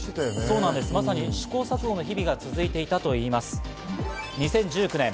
試行錯誤の日々が続いていたといいます。